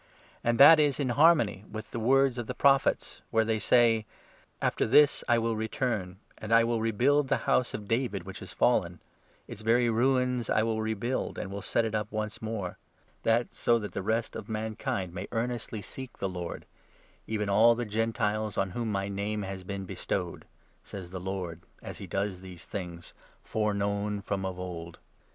And that is in harmony with the words of the 15 Prophets, where they say —'" After this I will return ; 16 And I will rebuild the House of David which has fallen — Its very ruins I will rebuild, And will set it up once more ; That so the rest of mankind may earnestly seek the Lord — 17 Even all the Gentiles on whom my Name has been bestowed," Says the Lord, as he does these things, foreknown from of old.'